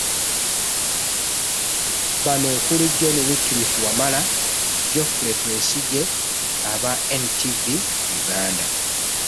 Bano okuli; John Cliff Wamala, Geofrey Twesigye aba NTV Uganda